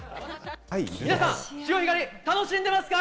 皆さん、潮干狩り楽しんでますか？